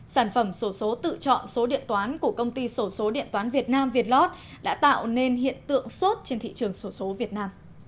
sản phẩm sổ số tự chọn số điện toán của công ty sổ số điện toán việt nam vietlot đã tạo nên hiện tượng sốt trên thị trường sổ số việt nam